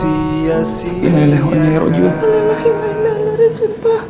lelahi lelewani rujuk pak